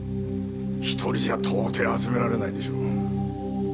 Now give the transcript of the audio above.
１人じゃ到底集められないでしょう。